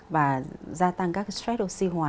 và gia tăng các stress oxy hóa